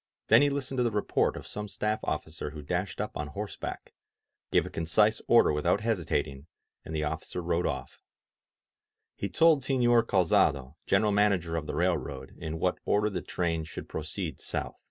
...*' Then he listened to the report of some staff officer who dashed up on horseback, gave a concise order with out hesitating, and the officer rode off. He told Sefior Calzado, General Manager of the Railroad, in what or der the trains should proceed south.